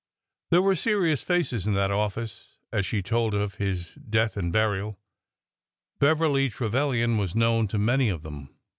There were serious faces in that office as she told of his death and burial. Beverly Trevilian was known to many of them.